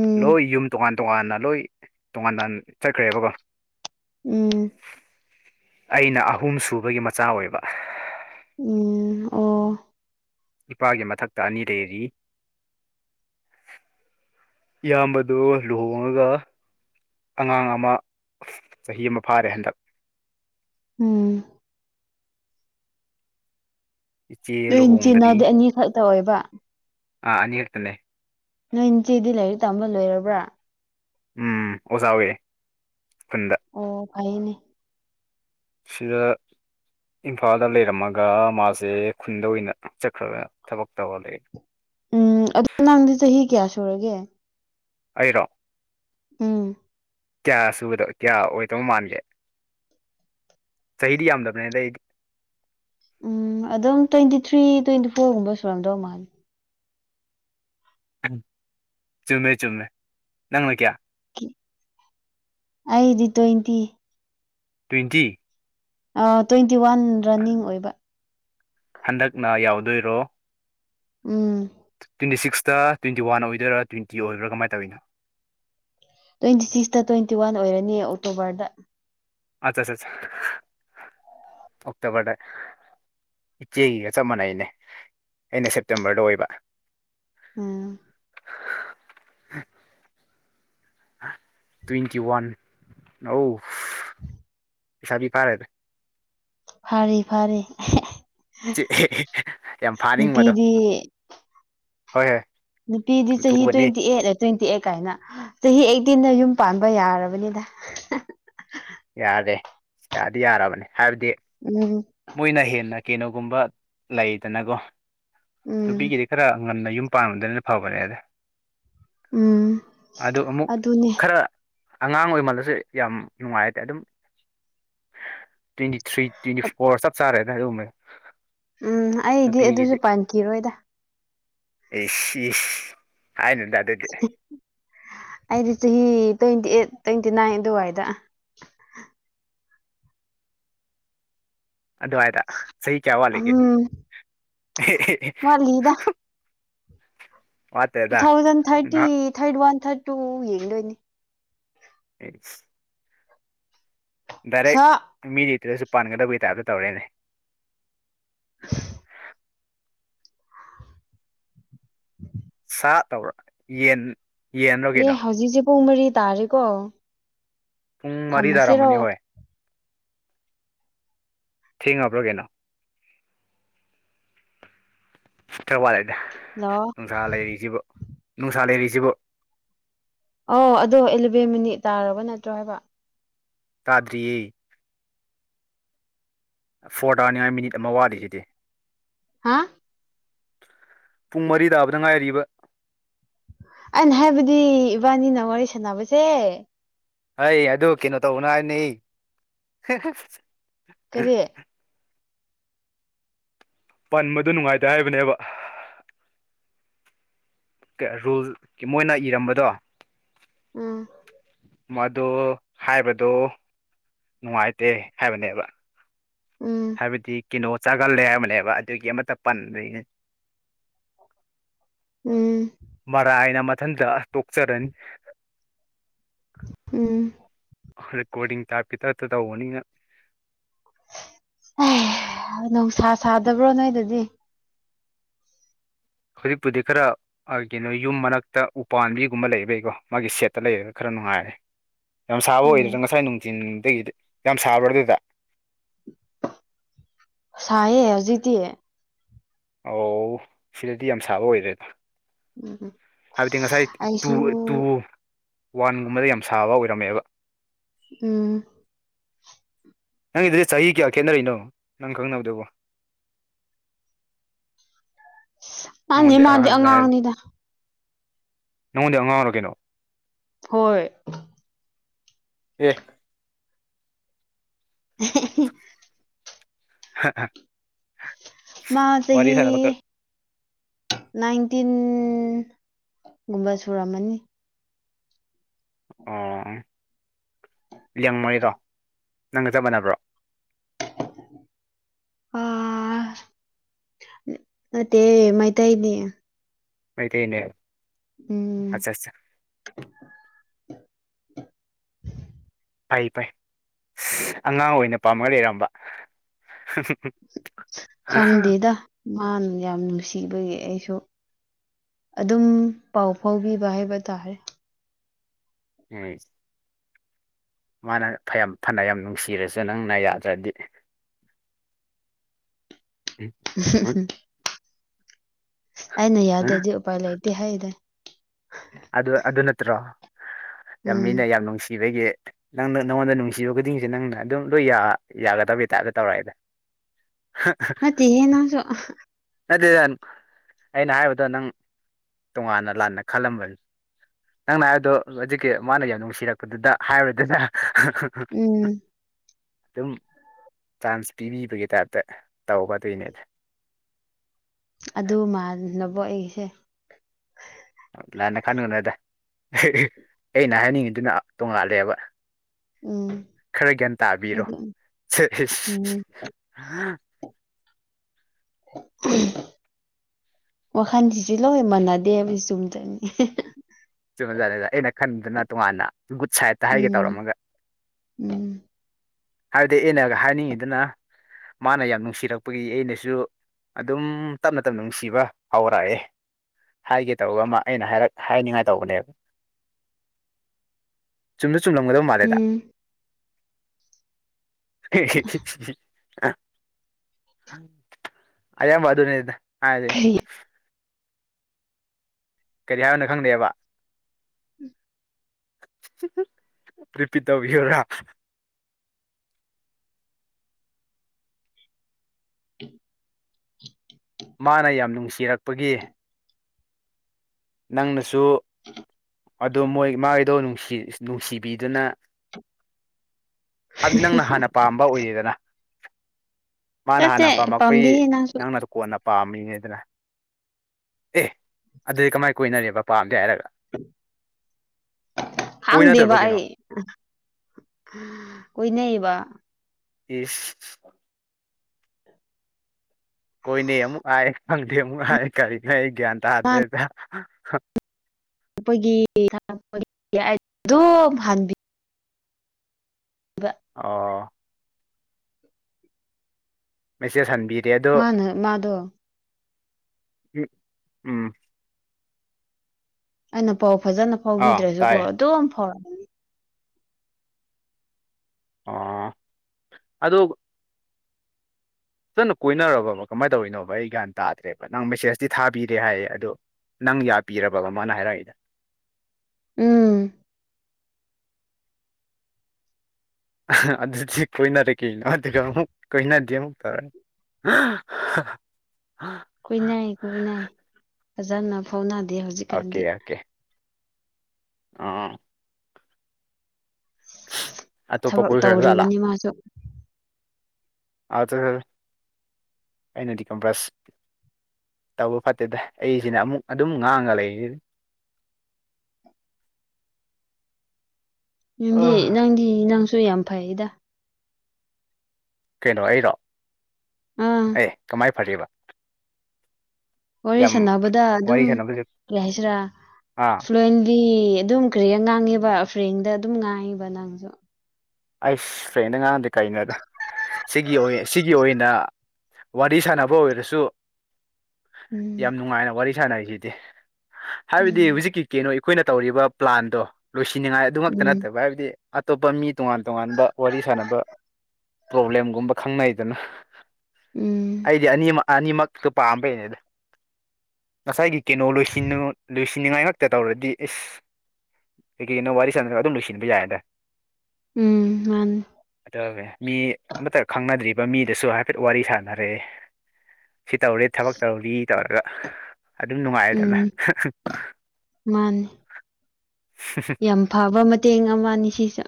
Speaker 1: ꯎꯝ
Speaker 2: ꯂꯣꯏ ꯌꯨꯝ ꯇꯣꯉꯥꯟ ꯇꯣꯉꯥꯟꯅ ꯂꯣꯏ ꯇꯣꯉꯥꯟꯅꯟ ꯆꯠꯈ꯭ꯔꯦꯕꯀꯣ
Speaker 1: ꯎꯝ
Speaker 2: ꯑꯩꯅ ꯑꯍꯨꯝ ꯁꯨꯕꯒꯤ ꯃꯆꯥ ꯑꯣꯏꯕ
Speaker 1: ꯎꯝ ꯑꯣ
Speaker 2: ꯏꯄꯥꯒꯤ ꯃꯊꯛꯇ ꯑꯅꯤ ꯂꯩꯔꯤ ꯏꯌꯥꯝꯕꯗꯣ ꯂꯨꯍꯣꯡꯉꯒ ꯑꯉꯥꯡ ꯑꯃꯥ ꯆꯍꯤ ꯑꯃ ꯐꯥꯔꯦ ꯍꯟꯗꯛ
Speaker 1: ꯎꯝ
Speaker 2: ꯏꯆꯦ
Speaker 1: ꯅꯣꯏ
Speaker 2: ꯂꯨꯍꯣꯡꯗ꯭ꯔꯤ
Speaker 1: ꯅꯆꯤꯟꯅꯥꯎꯗꯤ ꯑꯅꯤꯈꯛꯇ ꯑꯣꯏꯕꯥ
Speaker 2: ꯑꯥ ꯑꯅꯤꯈꯛꯇꯅꯦ
Speaker 1: ꯅꯣꯏ ꯅꯆꯦꯗꯤ ꯂꯥꯏꯔꯤꯛ ꯇꯝꯕ ꯂꯣꯏꯔꯕ꯭ꯔꯥ
Speaker 2: ꯎꯝ ꯑꯣꯖꯥ ꯑꯣꯏꯔꯦ
Speaker 1: ꯑꯣ ꯐꯥꯏꯅꯦ
Speaker 2: ꯁꯤꯗ ꯏꯝꯐꯥꯜꯗ ꯂꯩꯔꯝꯃꯒ ꯃꯥꯖꯦ ꯈꯨꯟꯗ ꯑꯣꯏꯅ ꯆꯠꯈ꯭ꯔꯒ ꯊꯕꯛ ꯇꯧꯔ ꯂꯩ
Speaker 1: ꯎꯝ ꯑꯗꯨ ꯅꯪꯗꯤ ꯆꯍꯤ ꯀꯌꯥ ꯁꯨꯔꯒꯦ
Speaker 2: ꯑꯩꯔꯣ
Speaker 1: ꯎꯝ
Speaker 2: ꯀꯌꯥ ꯁꯨꯕꯗ ꯀꯌꯥ ꯑꯣꯏꯗꯧ ꯃꯥꯟꯒꯦ ꯆꯍꯤꯗꯤ ꯌꯥꯝꯗꯕꯅꯦꯗ ꯑꯩꯗꯤ
Speaker 1: ꯎꯝ ꯑꯗꯨꯝ ꯇ꯭ꯋꯦꯟꯇꯤ ꯊ꯭ꯔꯤ ꯇ꯭ꯋꯦꯟꯇꯤ ꯐꯣꯔꯒꯨꯝꯕ ꯁꯨꯔꯝꯗꯧ ꯃꯥꯜꯂꯤ
Speaker 2: ꯆꯨꯝꯃꯦ ꯆꯨꯝꯃꯦ ꯅꯪꯅ ꯀꯌꯥ
Speaker 1: ꯑꯩꯗꯤ ꯇꯣꯏꯟꯇꯤ
Speaker 2: ꯇꯣꯏꯟꯇꯤ
Speaker 1: ꯑꯥ ꯇꯣꯏꯟꯇꯤ ꯋꯥꯟ ꯔꯟꯅꯤꯡ ꯑꯣꯏꯕ
Speaker 2: ꯍꯟꯗꯛꯅ ꯌꯥꯎꯗꯣꯏꯔꯣ
Speaker 1: ꯎꯝ
Speaker 2: ꯇꯣꯏꯟꯇꯤ ꯁꯤꯛꯁꯇ ꯇꯣꯏꯟꯇꯤ ꯋꯥꯟ ꯑꯣꯏꯗꯣꯏꯔ ꯇꯣꯏꯟꯇꯤ ꯑꯣꯏꯕ꯭ꯔꯥ ꯀꯃꯥꯏ ꯇꯧꯋꯤꯅꯣ
Speaker 1: ꯇꯣꯏꯟꯇꯤ ꯁꯤꯛꯁꯇ ꯇꯣꯏꯟꯇꯤ ꯋꯥꯟ ꯑꯣꯏꯔꯅꯤ ꯑꯣꯛꯇꯣꯕꯔꯗ
Speaker 2: ꯑꯠꯆꯥ ꯆꯥ ꯆꯥ ꯑꯣꯛꯇꯣꯕꯔꯗ ꯏꯆꯦꯒꯤꯒ ꯆꯞ ꯃꯥꯟꯅꯩꯅꯦ ꯑꯩꯅ ꯁꯦꯞꯇꯦꯝꯕꯔꯗ ꯑꯣꯏꯕ
Speaker 1: ꯎꯝ
Speaker 2: [inaudible] ꯇ꯭ꯋꯦꯟꯇꯤ ꯋꯥꯟ ꯑꯣꯐ ꯂꯩꯁꯥꯕꯤ ꯐꯥꯔꯦꯗ
Speaker 1: ꯐꯥꯔꯦ ꯐꯥꯔꯦ
Speaker 2: ꯆꯦ ꯌꯥꯝ ꯐꯥꯅꯤꯡꯕꯗꯣ
Speaker 1: ꯅꯨꯄꯤꯗꯤ
Speaker 2: ꯍꯣꯏ ꯍꯣꯏ
Speaker 1: ꯅꯨꯄꯤꯗꯤ
Speaker 2: ꯌꯥꯝ
Speaker 1: ꯆꯍꯤ
Speaker 2: ꯊꯨꯕꯅꯤ
Speaker 1: ꯇ꯭ꯋꯦꯟꯇꯤ ꯑꯦꯠꯅ ꯇ꯭ꯋꯦꯟꯇꯤ ꯑꯦꯠ ꯀꯥꯏꯅ ꯆꯍꯤ ꯑꯦꯇꯤꯟꯗ ꯌꯨꯝ ꯄꯥꯟꯕ ꯌꯥꯔꯕꯅꯤꯗꯥ
Speaker 2: ꯌꯥꯔꯦ ꯌꯥꯗꯤ ꯌꯥꯔꯕꯅꯤ ꯍꯥꯏꯕꯗꯤ
Speaker 1: ꯎꯝ
Speaker 2: ꯃꯣꯏꯅ ꯍꯦꯟꯅ ꯀꯦꯅꯣꯒꯨꯝꯕ ꯂꯩꯗꯅꯀꯣ
Speaker 1: ꯎꯝ
Speaker 2: ꯅꯨꯄꯤꯒꯤꯗꯤ ꯈꯔ ꯉꯟꯅ ꯌꯨꯝ ꯄꯥꯟꯕꯗꯨꯅ ꯐꯕꯅꯦ ꯗ
Speaker 1: ꯎꯝ
Speaker 2: ꯑꯗꯨ ꯑꯃꯨꯛ
Speaker 1: ꯑꯗꯨꯅꯦ
Speaker 2: ꯈꯔ ꯑꯉꯥꯡ ꯑꯣꯏꯃꯜꯂꯁꯨ ꯌꯥꯝ ꯅꯨꯡꯉꯥꯏꯇꯦ ꯑꯗꯨꯝ ꯇ꯭ꯋꯦꯟꯇꯤ ꯊ꯭ꯔꯤ ꯇ꯭ꯋꯦꯟꯇꯤ ꯐꯣꯔ ꯆꯞ ꯆꯥꯔꯦ ꯑꯗꯥꯏꯗꯒꯨꯝꯕ
Speaker 1: ꯎꯝ ꯑꯩꯗꯤ ꯑꯗꯨꯖꯨ ꯄꯥꯟꯈꯤꯔꯣꯏꯗꯥ
Speaker 2: ꯑꯩꯁ ꯏꯁ ꯍꯥꯏꯅꯨꯗꯥ ꯑꯗꯨꯗꯤ
Speaker 1: ꯑꯩꯗꯤ ꯆꯍꯤ ꯇ꯭ꯋꯦꯟꯇꯤ ꯑꯩꯠ ꯇ꯭ꯋꯦꯟꯇꯤ ꯅꯥꯏꯟ ꯑꯗꯨꯋꯥꯏꯗ
Speaker 2: ꯑꯗꯨꯋꯥꯏꯗ ꯆꯍꯤ ꯀꯌꯥ ꯋꯥꯠꯂꯤꯒꯦ
Speaker 1: ꯎꯝ ꯋꯥꯠꯂꯤꯗ ꯇꯨ
Speaker 2: ꯋꯥꯠꯇꯦꯗ
Speaker 1: ꯊꯥꯎꯖꯟ ꯊꯥꯔꯇꯤ
Speaker 2: ꯉꯍꯥꯛ
Speaker 1: ꯊꯥꯔꯇꯤ ꯋꯥꯟ ꯊꯥꯔꯇꯤ ꯇꯨ ꯌꯦꯡꯗꯣꯏꯅꯤ
Speaker 2: ꯑꯦꯁ ꯗꯥꯏꯔꯦꯛ
Speaker 1: ꯁꯥ
Speaker 2: ꯃꯤ ꯂꯩꯇ꯭ꯔꯁꯨ ꯄꯥꯟꯒꯗꯕꯩ ꯇꯥꯏꯞꯇ ꯇꯧꯔꯦꯅꯦ ꯁꯥ ꯇꯧꯔ ꯌꯦꯟ
Speaker 1: ꯑꯦ
Speaker 2: ꯌꯦꯟꯔꯣꯒꯩꯅꯣ
Speaker 1: ꯍꯧꯖꯤꯛꯁꯦ ꯄꯨꯡ ꯃꯔꯤ ꯇꯥꯔꯦꯀꯣ
Speaker 2: ꯄꯨꯡ ꯃꯔꯤ
Speaker 1: ꯊꯝꯃꯁꯤꯔꯣ
Speaker 2: ꯇꯥꯔꯝꯃꯅꯤ ꯍꯣꯏ ꯊꯦꯡꯉꯕ꯭ꯔ ꯀꯩꯅꯣ ꯈ꯭ꯔ ꯋꯥꯠꯂꯦꯗ
Speaker 1: ꯍꯜꯂꯣ
Speaker 2: ꯅꯨꯡꯁꯥ ꯂꯩꯔꯤꯁꯤꯕꯨ ꯅꯨꯡꯁꯥ ꯂꯩꯔꯤꯁꯤꯕꯨ
Speaker 1: ꯑꯣ ꯑꯗꯣ ꯑꯦꯂꯚꯦꯟ ꯃꯤꯅꯤꯠ ꯇꯥꯔꯕ ꯅꯠꯇ꯭ꯔꯣ ꯍꯥꯏꯕ
Speaker 2: ꯇꯥꯗ꯭ꯔꯤꯌꯦ ꯐꯣꯔ ꯇꯥꯅꯤꯉꯥꯏ ꯃꯤꯅꯤꯠ ꯑꯃ ꯋꯥꯠꯂꯤꯁꯤꯗꯤ
Speaker 1: ꯍꯥ
Speaker 2: ꯄꯨꯡ ꯃꯔꯤ ꯇꯥꯕꯗ ꯉꯥꯏꯔꯤꯕ
Speaker 1: ꯑꯩꯅ ꯍꯥꯏꯕꯗꯤ ꯏꯕꯥꯅꯤꯅ ꯋꯥꯔꯤ ꯁꯥꯟꯅꯕꯁꯦ
Speaker 2: ꯑꯩ ꯑꯗꯨ ꯀꯩꯅꯣ ꯇꯧꯒꯅꯣ ꯍꯥꯏꯕꯅꯦꯍꯦ
Speaker 1: ꯀꯔꯤ
Speaker 2: ꯄꯟꯕꯗꯨ ꯅꯨꯡꯉꯥꯏꯇꯦ ꯍꯥꯏꯕꯅꯦꯕ ꯀ ꯔꯨꯜꯖ ꯃꯣꯏꯅ ꯏꯔꯝꯕꯗꯣ
Speaker 1: ꯎꯝ
Speaker 2: ꯃꯗꯨ ꯍꯥꯏꯕꯗꯣ ꯅꯨꯡꯉꯥꯏꯇꯦ ꯍꯥꯏꯕꯅꯦꯕ
Speaker 1: ꯎꯝ
Speaker 2: ꯍꯥꯏꯕꯗꯤ ꯀꯩꯅꯣ ꯆꯥꯒꯜꯂꯦ ꯍꯥꯏꯕꯅꯦꯕ ꯑꯗꯨꯒꯤ ꯑꯃꯠꯇ ꯄꯟꯗꯦ
Speaker 1: ꯎꯝ
Speaker 2: ꯃꯔꯥꯢꯅ ꯃꯠ ꯊꯟꯇ ꯇꯣꯛꯆꯔꯅꯤ
Speaker 1: ꯎꯝ
Speaker 2: ꯔꯦꯀꯣꯔꯗꯤꯡ ꯇꯥꯢꯞꯀꯤ ꯇꯥꯢꯞꯇ ꯇꯧꯕꯅꯤꯅ
Speaker 1: ꯑꯥꯢ ꯅꯨꯡꯁꯥ ꯁꯥꯗꯕ꯭ꯔꯣ ꯅꯣꯏꯗꯗꯤ
Speaker 2: ꯍꯧꯖꯤꯛꯄꯨꯗꯤ ꯈꯔ ꯑꯥ ꯀꯩꯅꯣ ꯌꯨꯝ ꯃꯔꯛꯇ ꯎꯄꯥꯥꯟꯕꯤꯒꯨꯝꯕ ꯂꯩꯕꯩꯀꯣ ꯃꯥꯒꯤ ꯁꯦꯠꯇ ꯂꯩꯔꯒ ꯈꯔ ꯅꯨꯡꯉꯥꯏ ꯌꯥꯝ ꯁꯥꯕ ꯑꯣꯏꯗꯦꯗ
Speaker 1: ꯎꯝ
Speaker 2: ꯉꯁꯥꯏ ꯅꯨꯡꯊꯤꯟꯗꯒꯤꯗꯤ ꯌꯥꯝ ꯁꯥꯕ꯭ꯔꯣ ꯑꯗꯨꯗ [inaudible]
Speaker 1: ꯁꯥꯏꯌꯦ ꯍꯧꯖꯤꯛꯇꯤ
Speaker 2: ꯑꯣ ꯁꯤꯗꯗꯤ ꯌꯥꯝ ꯁꯥꯕ ꯑꯣꯏꯗꯦꯗ
Speaker 1: ꯎꯝ ꯎꯝ
Speaker 2: ꯍꯥꯏꯕꯗꯤ ꯉꯁꯥꯏ ꯇꯨ ꯇꯨ
Speaker 1: ꯑꯩꯁꯨ
Speaker 2: ꯋꯥꯟꯒꯨꯝꯕꯗ ꯌꯥꯝ ꯁꯥꯕ ꯑꯣꯏꯔꯝꯃꯦꯕ
Speaker 1: ꯎꯝ
Speaker 2: ꯅꯪꯒꯤꯗꯨꯗꯤ ꯆꯍꯤ ꯀꯌꯥ ꯈꯦꯠꯅꯔꯤꯅꯣ ꯅꯪ ꯈꯪꯅꯕꯗꯨꯕꯨ [inaudible]
Speaker 1: ꯑꯥꯅꯤ
Speaker 2: ꯅꯪꯉꯣꯟꯗꯤ
Speaker 1: ꯃꯥꯗꯤ ꯑꯉꯥꯡꯅꯤꯗ
Speaker 2: ꯅꯉꯣꯟꯗꯩ ꯑꯉꯥꯡꯔꯣ ꯀꯩꯅꯣ
Speaker 1: ꯍꯣꯏ
Speaker 2: ꯑꯦ
Speaker 1: ꯑꯦꯍꯦꯍꯤ
Speaker 2: ꯍꯍꯥ
Speaker 1: ꯃꯥ ꯆꯍꯤ ꯅꯥꯏꯟꯇꯤꯟ ꯒꯨꯝꯕ ꯁꯨꯔꯝꯃꯅꯤ
Speaker 2: ꯑꯣ ꯂꯤꯌꯦꯡꯃꯩꯔꯣ ꯅꯪꯒ ꯆꯞ ꯃꯥꯟꯅꯕ꯭ꯔꯣ
Speaker 1: ꯑꯥ ꯅ ꯅꯠꯇꯦ ꯃꯩꯇꯩꯅꯦ
Speaker 2: ꯃꯩꯇꯩꯅꯦ
Speaker 1: ꯎꯝ
Speaker 2: ꯑꯆꯥ ꯆꯥ ꯐꯩ ꯐꯩ ꯑꯉꯥꯡ ꯑꯣꯏꯅ ꯄꯥꯝꯃꯒ ꯂꯩꯔꯝꯕ ꯍꯝꯍꯝ
Speaker 1: ꯈꯪꯗꯦꯗ ꯃꯥꯅ ꯌꯥꯝ ꯅꯨꯡꯁꯤꯕꯒꯤ ꯑꯩꯁꯨ ꯑꯗꯨꯝ ꯄꯥꯎ ꯐꯥꯎꯕꯤꯕ ꯍꯥꯏꯕ ꯇꯥꯔꯦ
Speaker 2: ꯍꯩ ꯃꯥꯅ ꯐ ꯌꯥꯝ ꯐꯅ ꯌꯥꯝ ꯅꯨꯡꯁꯤꯔꯁꯨ ꯅꯪꯅ ꯌꯥꯗ꯭ꯔꯗꯤ
Speaker 1: ꯎꯍꯝꯍꯝ ꯑꯩꯅ ꯌꯥꯗ꯭ꯔꯗꯤ ꯎꯄꯥꯏ ꯂꯩꯇꯦ ꯍꯥꯏꯗ
Speaker 2: ꯑꯗꯨ ꯑꯗꯨ ꯅꯠꯇ꯭ꯔꯣ ꯌꯥꯝ ꯃꯤꯅ
Speaker 1: ꯎꯝ
Speaker 2: ꯌꯥꯝ ꯅꯨꯡꯁꯤꯕꯒꯤ ꯅꯪꯅ ꯅꯪꯉꯣꯟꯗ ꯅꯨꯡꯁꯤꯕ ꯈꯨꯗꯤꯡꯁꯦ ꯅꯪꯅ ꯑꯗꯨꯝ ꯂꯣꯏ ꯌꯥꯒꯗꯕꯇꯥꯞꯗ ꯇꯧꯔꯛꯑꯦꯗ [inaudible]
Speaker 1: ꯅꯠꯇꯦꯍꯦ ꯅꯪꯁꯨ ꯑꯍꯍ
Speaker 2: ꯅꯠꯇꯦꯗ ꯑꯩꯅ ꯍꯥꯏꯕꯗꯣ ꯅꯪ ꯇꯣꯉꯥꯟꯅ ꯂꯥꯟꯅ ꯈꯜꯂꯝꯃꯅꯤ ꯅꯪꯅ ꯍꯥꯏꯕꯗꯣ ꯍꯧꯖꯤꯛꯀꯤ ꯃꯥꯅ ꯌꯥꯝ ꯅꯨꯡꯁꯤꯔꯛꯄꯗꯨꯗ ꯍꯥꯏꯕꯗꯨꯗ [inaudible]
Speaker 1: ꯎꯝ
Speaker 2: ꯑꯗꯨꯝ ꯆꯥꯟꯁ ꯄꯤꯕꯤꯕꯒꯤ ꯇꯥꯏꯞꯇ ꯇꯧꯕ ꯑꯗꯨꯢꯅꯤꯗ
Speaker 1: ꯑꯗꯨ ꯃꯥꯟꯂꯕꯣ ꯑꯩꯁꯦ
Speaker 2: ꯂꯥꯟꯅ ꯈꯟꯅꯅꯣꯗ ꯑꯩꯅ ꯍꯥꯏꯅꯤꯡꯉꯤꯗꯨꯅ ꯇꯣꯡꯉꯥꯜꯂꯦꯕ
Speaker 1: ꯎꯝ
Speaker 2: ꯈꯔ ꯒ꯭ꯌꯥꯟ ꯇꯥꯕꯤꯔꯣ
Speaker 1: ꯑꯗꯨ ꯎꯝ
Speaker 2: ꯁꯦꯁꯁ
Speaker 1: ꯍꯝꯝ ꯋꯥꯈꯜꯁꯤꯁꯨ ꯂꯣꯏ ꯃꯥꯟꯅꯗꯦ ꯍꯥꯏꯕꯁꯦ ꯆꯨꯝꯖꯥꯠꯅꯤ
Speaker 2: ꯖꯥꯖ ꯑꯩꯅ ꯈꯟꯗꯨꯅ ꯇꯣꯉꯥꯟꯅ ꯒꯨꯗ ꯁꯥꯏꯗꯠꯇ ꯍꯥꯏꯒꯦ
Speaker 1: ꯎꯝ
Speaker 2: ꯇꯧꯔꯝꯃꯒ
Speaker 1: ꯎꯝ
Speaker 2: ꯍꯥꯏꯕꯗꯤ ꯑꯩꯅꯒ ꯍꯥꯏꯅꯤꯡꯉꯤꯗꯨꯅ ꯃꯥꯅ ꯌꯥꯝ ꯅꯨꯡꯁꯤꯔꯛꯄꯒꯤ ꯑꯩꯅꯁꯨ ꯑꯗꯨꯝ ꯇꯞꯅ ꯇꯞꯅ ꯅꯨꯡꯁꯤꯕ ꯍꯧꯔꯛꯑꯦ ꯍꯥꯏꯒꯦ ꯇꯧꯕ ꯑꯃ ꯑꯩꯅ ꯍꯥꯏ ꯍꯥꯏꯅꯤꯡꯉꯥꯏ ꯇꯧꯕꯅꯦꯕ ꯆꯨꯝꯁꯨ ꯆꯨꯝꯂꯝꯒꯗꯕ ꯃꯥꯜꯂꯦꯗ
Speaker 1: ꯎꯝ
Speaker 2: ꯑꯍꯦꯍꯦ ꯑꯌꯥꯝꯕ ꯑꯗꯨꯅꯤꯗ ꯍꯥꯏ
Speaker 1: ꯀꯔꯤ
Speaker 2: ꯀꯔꯤ ꯍꯥꯏꯕꯅꯣ ꯈꯪꯗꯦꯕ ꯔꯤꯄꯤꯗ ꯇꯧꯕꯤꯌꯨꯔ ꯃꯥꯅ ꯌꯥꯝ ꯅꯨꯡꯁꯤꯔꯛꯄꯒꯤ ꯅꯪꯅꯁꯨ ꯑꯗꯨ ꯃꯣꯏ ꯃꯥꯒꯤꯗꯣ ꯅꯨꯡ ꯅꯨꯡꯁꯤꯕꯤꯗꯨꯅ ꯍꯥꯏꯕꯗꯤ ꯅꯪꯅ ꯍꯥꯟꯅ ꯄꯥꯝꯕ ꯑꯣꯏꯗꯦꯗꯅ ꯃꯥꯅ ꯍꯥꯟꯅ
Speaker 1: ꯇꯠꯇꯦ
Speaker 2: ꯄꯥꯝꯃꯛꯄꯒꯤ
Speaker 1: ꯄꯥꯝꯗꯦꯍꯦ ꯅꯪꯁꯨ
Speaker 2: ꯅꯪꯅꯁꯨ ꯀꯣꯟꯅ ꯄꯥꯝꯃꯤ ꯗꯅ ꯑꯦ ꯑꯗꯨꯗꯤ ꯀꯃꯥꯏ ꯀꯣꯏꯅꯔꯤꯕ ꯄꯥꯝꯗꯦ ꯍꯥꯏꯔꯒ [inaudible]
Speaker 1: ꯈꯪꯗꯦꯕ
Speaker 2: ꯀꯣꯏꯅꯗꯕ꯭ꯔꯣ ꯀꯩꯅꯣ
Speaker 1: ꯑꯩ ꯀꯨꯏꯅꯩꯌꯦꯕ
Speaker 2: ꯏꯁ ꯀꯣꯏꯅꯩ ꯑꯃꯨꯛ ꯍꯥꯏ ꯈꯪꯗꯦ ꯑꯃꯨꯛ ꯍꯥꯏ ꯀꯔꯤꯅꯣ ꯑꯩ ꯒ꯭ꯌꯥꯟ ꯇꯥꯗ꯭ꯔꯦꯗ ꯍ
Speaker 1: ꯑꯈꯣꯏꯒꯤ [unintelligible] ꯑꯗꯨꯝ ꯍꯥꯟꯕꯤ
Speaker 2: ꯑꯣ ꯃꯦꯁꯦꯁ ꯍꯟꯕꯤ
Speaker 1: ꯃꯥꯅ ꯃꯥꯗꯣ
Speaker 2: ꯎ ꯎꯝ
Speaker 1: ꯑꯩꯅ ꯄꯥꯎ ꯐꯖꯅ
Speaker 2: ꯑꯥ
Speaker 1: ꯐꯥꯎꯕꯤꯗ꯭ꯔꯁꯨꯀꯣ
Speaker 2: ꯇꯥꯏꯌꯦ
Speaker 1: ꯑꯗꯨꯝ ꯐꯥꯎꯔ
Speaker 2: ꯑꯣ ꯑꯗꯨ ꯐꯖꯅ ꯀꯣꯏꯅꯔꯕꯕ ꯀꯃꯥꯏꯅ ꯇꯧꯔꯤꯅꯣꯕ ꯑꯩ ꯒ꯭ꯌꯥꯟ ꯇꯥꯗ꯭ꯔꯦꯕ ꯅꯪ ꯃꯦꯁꯦꯖꯇꯤ ꯊꯥꯕꯤꯔꯦ ꯍꯥꯏꯌꯦ ꯑꯗꯣ ꯅꯪ ꯌꯥꯕꯤꯔꯕꯕ ꯃꯥꯅ ꯍꯥꯏꯔꯛꯏꯗ
Speaker 1: ꯎꯝ
Speaker 2: ꯑꯗꯨꯗꯤ ꯀꯣꯏꯅꯔꯦ ꯀꯩꯅꯣ ꯑꯗꯨꯒ ꯑꯃꯨꯛ ꯀꯣꯏꯅꯗꯦ ꯑꯃꯨꯛ ꯇꯧꯔꯦ ꯍꯥ ꯍ
Speaker 1: ꯀꯨꯏꯅꯩ ꯀꯨꯏꯅꯩ ꯐꯖꯅ ꯐꯥꯎꯅꯗꯦ
Speaker 2: ꯑꯣꯀꯦ
Speaker 1: ꯍꯧꯖꯤꯛꯀꯥꯟꯗꯤ
Speaker 2: ꯑꯣꯀꯦ ꯑꯥ ꯑꯇꯣꯞꯄ
Speaker 1: ꯊꯕꯛ
Speaker 2: ꯀꯣꯏꯈ꯭ꯔ ꯖꯥꯠꯂꯥ
Speaker 1: ꯇꯧꯔꯤꯕꯅꯤ ꯃꯥꯁꯨ
Speaker 2: [unintelligible] ꯑꯩꯅꯗꯤꯀꯝꯕꯁ ꯇꯧꯕ ꯐꯠꯇꯦꯗ ꯑꯩꯖꯤꯅ ꯑꯃꯨꯛ ꯑꯗꯨꯝ ꯉꯥꯡꯉꯒ ꯂꯩꯔꯤꯖꯤꯗ
Speaker 1: ꯅꯪꯗꯤ ꯅꯪꯗꯤ ꯅꯪꯁꯨ ꯌꯥꯝ ꯐꯩꯗꯥ
Speaker 2: ꯀꯩꯅꯣ ꯑꯩꯔꯣ
Speaker 1: ꯑꯥ
Speaker 2: ꯑꯦ ꯀꯃꯥꯏ ꯐꯔꯤꯕ
Speaker 1: ꯋꯥꯔꯤ
Speaker 2: ꯌꯥꯝ
Speaker 1: ꯁꯥꯟꯅꯕꯗꯥ ꯑꯗꯨꯝ
Speaker 2: ꯋꯥꯔꯤ ꯁꯥꯟꯅꯕꯁꯦ
Speaker 1: ꯀꯩ ꯍꯥꯏꯁꯤꯔꯥ
Speaker 2: ꯑꯥ
Speaker 1: ꯐ꯭ꯂꯨꯋꯦꯟꯂꯤ ꯑꯗꯨꯝ ꯀ꯭ꯔꯤ ꯉꯥꯡꯉꯦꯕꯥ ꯐ꯭ꯔꯦꯡꯗ ꯑꯗꯨꯝ ꯉꯥꯡꯉꯤꯕ ꯅꯪꯖꯨ
Speaker 2: ꯑꯩꯁ ꯐ꯭ꯔꯦꯡꯗ ꯉꯥꯡꯝꯗꯗꯤ ꯀꯩꯅꯣꯗ ꯁꯤꯒꯤ ꯑꯣꯏ ꯁꯤꯒꯤ ꯑꯣꯏꯅꯥ ꯋꯥꯔꯤ ꯁꯥꯅꯕ ꯑꯣꯏꯔꯁꯨ
Speaker 1: ꯎꯝ
Speaker 2: ꯌꯥꯝ ꯅꯨꯡꯉꯥꯏꯅ ꯋꯥꯔꯤ ꯁꯥꯟꯅꯩ ꯖꯤꯗꯤ ꯍꯥꯏꯕꯗꯤ
Speaker 1: ꯎꯝ
Speaker 2: ꯍꯨꯖꯤꯛꯀꯤ ꯀꯦꯅꯣ ꯑꯈꯣꯏꯅ ꯇꯧꯔꯤꯕꯥ ꯄ꯭ꯂꯥꯟꯗꯣ ꯂꯣꯏꯁꯤ ꯅꯤꯡꯉꯥꯏ ꯑꯗꯨꯃꯛꯇ
Speaker 1: ꯎꯝ
Speaker 2: ꯅꯠꯇꯕ ꯍꯥꯏꯕꯗꯤ ꯑꯇꯣꯞꯄ ꯃꯤ ꯇꯣꯉꯥꯟ ꯇꯣꯉꯥꯟꯕ ꯋꯥꯔꯤ ꯁꯥꯟꯅꯕ ꯄ꯭ꯔꯣꯕ꯭ꯂꯦꯝꯒꯨꯝꯕ ꯈꯪꯅꯩꯗꯅꯥ
Speaker 1: ꯎꯝ
Speaker 2: ꯑꯩꯗꯤ ꯑꯅꯤꯃꯛ ꯑꯅꯤꯃꯛꯇ ꯄꯥꯝꯕꯩꯅꯦꯗ ꯉꯁꯥꯏꯒꯤ ꯀꯩꯅꯣ ꯂꯣꯏꯁꯤꯟꯅ ꯂꯣꯏꯁꯤꯟ ꯅꯤꯡꯉꯥꯏ ꯉꯛꯇ ꯇꯧꯔꯗꯤ ꯏꯁ ꯀꯩꯀꯩꯅꯣ ꯋꯥꯔꯤ ꯁꯥꯟꯅꯔꯒ ꯑꯗꯨꯝ ꯂꯣꯏꯁꯤꯟꯕ ꯌꯥꯔꯦꯗ
Speaker 1: ꯎꯝ ꯃꯥꯅꯤ
Speaker 2: ꯑꯗꯨ ꯋꯦ ꯃꯤ ꯑꯃꯇ ꯈꯪꯅꯗ꯭ꯔꯤ ꯃꯤꯗꯁꯨ ꯍꯥꯏꯐꯦꯠ ꯋꯥꯔꯤ ꯁꯥꯟꯅꯔꯦ ꯁꯤ ꯇꯧꯔꯦ ꯊꯕꯛ ꯇꯧꯔꯤ ꯇꯧꯔꯒ ꯑꯗꯨꯝ ꯅꯨꯡꯉꯥꯏꯑꯦꯗꯅ
Speaker 1: ꯎꯝ
Speaker 2: ꯍ ꯍ
Speaker 1: ꯃꯥꯅꯤ ꯌꯥꯝ ꯐꯕ ꯃꯇꯦꯡ ꯑꯃꯅꯤ ꯁꯤꯁꯨ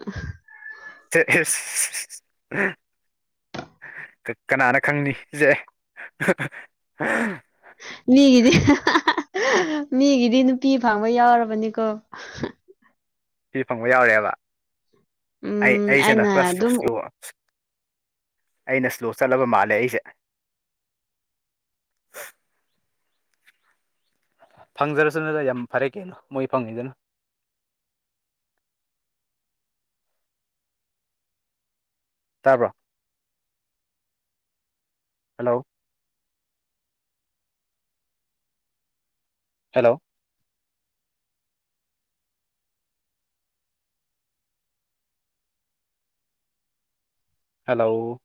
Speaker 2: ꯆ ꯑꯁ ꯀꯅꯥꯅ ꯈꯪꯅꯤ ꯖꯦ ꯍ ꯍꯤ
Speaker 1: ꯃꯤꯒꯤꯗꯤ ꯃꯤꯒꯤꯗꯤ ꯅꯨꯄꯤ ꯐꯪꯕ ꯌꯥꯎꯔꯕꯅꯤꯀꯣ
Speaker 2: ꯅꯨꯄꯤ ꯐꯪꯕ ꯌꯥꯎꯔꯦꯕ ꯑꯩ
Speaker 1: ꯎꯝ
Speaker 2: ꯑꯩꯁꯦꯗ
Speaker 1: ꯑꯩꯅ
Speaker 2: ꯀ꯭ꯔꯁ
Speaker 1: ꯑꯗꯨꯝ
Speaker 2: ꯇꯧꯁꯜꯂꯨ ꯑꯩꯅ ꯁ꯭ꯂꯣ ꯆꯠꯂꯕ ꯃꯥꯜꯂꯦ ꯑꯩꯖꯦ [inaudible] ꯐꯪꯖꯔꯁꯅꯨꯗ ꯌꯥꯝ ꯐꯔꯦ ꯀꯩꯅꯣ ꯃꯣꯏ ꯐꯪꯉꯤꯗꯨꯅ ꯇꯥꯕ꯭ꯔꯣ ꯍꯜꯂꯣ ꯍꯦꯜꯂꯣ ꯍꯜꯂꯣ